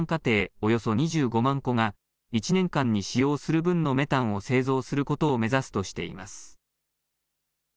およそ２５万戸が１年間に使用する分のメタンを製造することを目指すとしています。